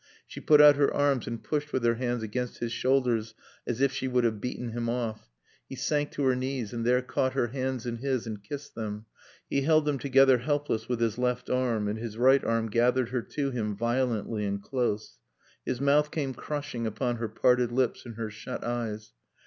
She put out her arms and pushed with her hands against his shoulders, as if she would have beaten him off. He sank to her knees and there caught her hands in his and kissed them. He held them together helpless with his left arm and his right arm gathered her to him violently and close. His mouth came crushing upon her parted lips and her shut eyes.